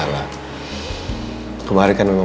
kemarin kan emang udah misalnya kalian